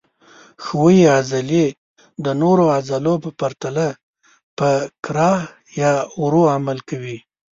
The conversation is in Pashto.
ښویې عضلې د نورو عضلو په پرتله په کراه یا ورو عمل کوي.